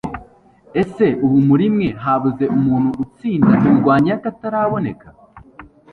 ese ubu muri mwe habuze umuntu watsinda indwanyi yakataraboneka